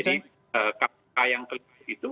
jadi kpk yang keliru itu